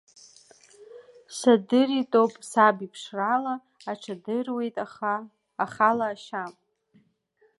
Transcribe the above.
Сырдыритоуп саб иԥшрала, аҽадыруеит ахала ашьа!